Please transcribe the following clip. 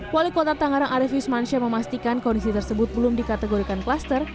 wali kota tangerang arief yusmansyah memastikan kondisi tersebut belum dikategorikan kluster